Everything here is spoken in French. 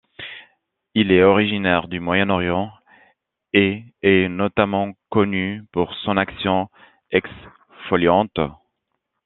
Il est originaire du Moyen-Orient et est notamment connu pour son action exfoliante.